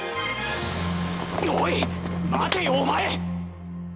おい待てよお前。